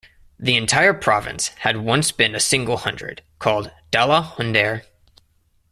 The entire province had once been a single hundred, called "Dala hundare".